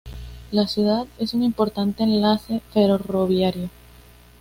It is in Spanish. La ciudad es un importante enlace ferroviario.